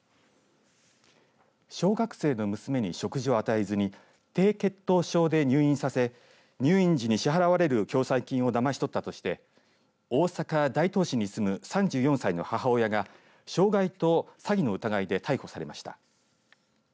小学生の娘に食事を与えずに低血糖症で入院させ入院時に支払われる共済金をだまし取ったとして大阪大東市に住む３４歳の母親が傷害と詐欺の疑いで逮捕されました。